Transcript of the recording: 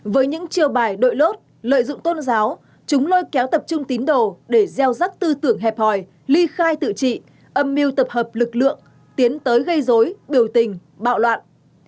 với những chiều bài đội lốt lợi dụng tôn giáo chúng lôi kéo tập trung tín đồ để gieo rắc tư tưởng hẹp hòi ly khai tự trị âm mưu tập hợp lực lượng tiến tới gây dối biểu tình bạo loạn